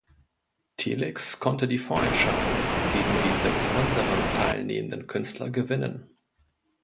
Telex konnte die Vorentscheidung gegen die sechs anderen teilnehmenden Künstler gewinnen.